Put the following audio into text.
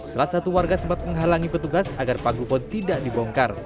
salah satu warga sempat menghalangi petugas agar pagupon tidak dibongkar